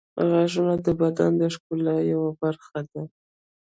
• غاښونه د بدن د ښکلا یوه برخه ده.